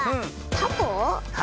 タコ？